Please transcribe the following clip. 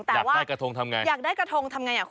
แต่ว่าอยากได้กระทงทำไง